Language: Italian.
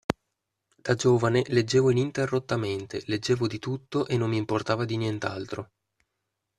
Da giovane leggevo ininterrottamente, leggevo di tutto e non mi importava di nient'altro.